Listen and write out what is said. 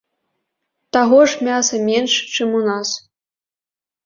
Таго ж мяса менш, чым у нас.